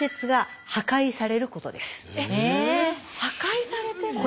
破壊されてるんだ。